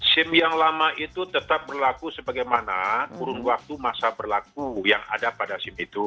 sim yang lama itu tetap berlaku sebagaimana kurun waktu masa berlaku yang ada pada sim itu